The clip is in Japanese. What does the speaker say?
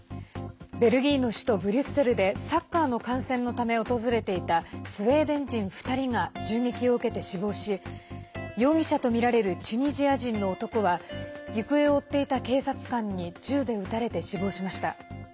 ベルギーの首都ブリュッセルでサッカーの観戦のため訪れていたスウェーデン人２人が銃撃を受けて死亡し容疑者とみられるチュニジア人の男は行方を追っていた警察官に銃で撃たれて死亡しました。